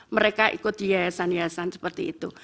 mereka ikut di yayasan yayasan seperti itu